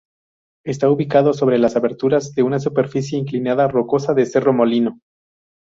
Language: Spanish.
Está ubicado sobre las aberturas de una superficie inclinada rocosa del cerro Molino.